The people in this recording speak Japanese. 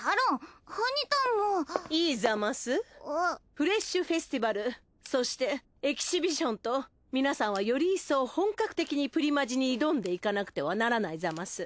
フレッシュフェスティバルそしてエキシビションと皆さんはより一層本格的にプリマジに挑んでいかなくてはならないざます。